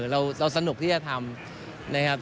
เราสนุกที่จะทำนะครับ